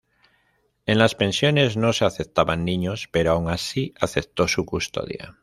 En las pensiones no se aceptaban niños, pero aun así aceptó su custodia.